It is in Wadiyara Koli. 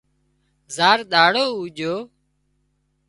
زار ۮاڙو اُوڄو